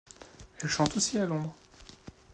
Elle chante aussi à Londres.